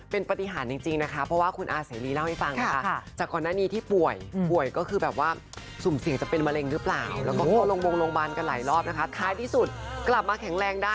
เพราะว่างานนี้ยาวไปจนถึงปีหน้าเลยใช่ไหมคะ